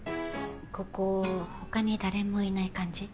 ここ他に誰もいない感じ？